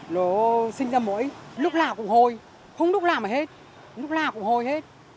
nó sinh ra mỗi lúc nào cũng hôi không lúc nào mà hết lúc nào cũng hôi hết